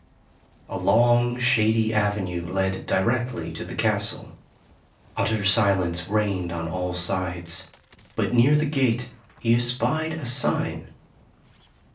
A long shady avenue led directly to the castle. Utter silence reigned on all sides, but near the gate, he espied a sign.